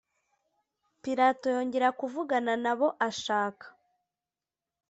Pilato yongera kuvugana na bo ashaka